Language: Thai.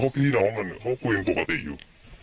พี่น้องกันเขาคุยปกติอยู่